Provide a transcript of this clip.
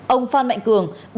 ông phan mạnh cường